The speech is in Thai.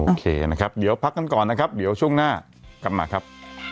โอเคนะครับเดี๋ยวพักกันก่อนนะครับเดี๋ยวช่วงหน้ากลับมาครับ